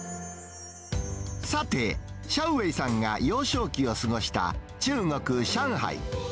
さて、シャウ・ウェイさんが幼少期を過ごした中国・上海。